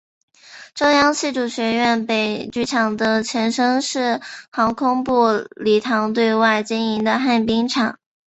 中央戏剧学院北剧场的前身是航空部礼堂对外经营的旱冰场。